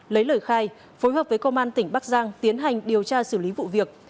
lấy lời khai phối hợp với công an tỉnh bắc giang tiến hành điều tra xử lý vụ việc